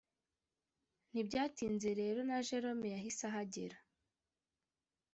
ntibyatinze rero na gerome yahise ahagera